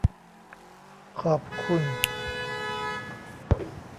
ขอบคุณ